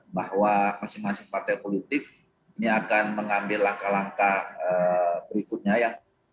bahwa masing masing partai politik ini akan mengambil langkah langkah berikutnya yang